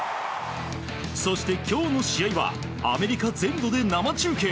そして今日の試合はアメリカ全土で生中継。